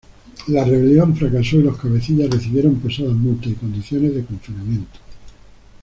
La rebelión fracasó y los cabecillas recibieron pesadas multas y condiciones de confinamiento.